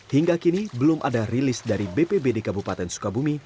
hingga kini belum ada rilis dari bpbd kabupaten sukabumi